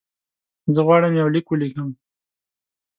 زه غواړم یو لیک ولیکم.